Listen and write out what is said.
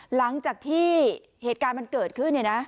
หลังจากที่เหตุการณ์มันเกิดขึ้น